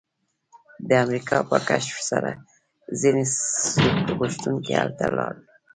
د امریکا په کشف سره ځینې سود غوښتونکي هلته لاړل